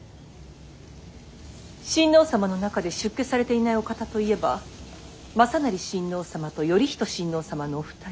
親王様の中で出家されていないお方といえば雅成親王様と頼仁親王様のお二人。